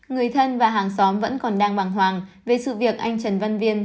người thân và hàng xóm vẫn còn đang bàng hoàng về sự việc anh trần văn viên